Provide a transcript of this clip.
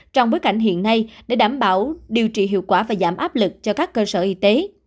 trong bối cảnh hiện nay để đảm bảo điều trị hiệu quả và giảm áp lực cho các cơ sở y tế